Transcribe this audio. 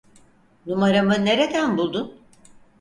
Numaramı nereden buldun?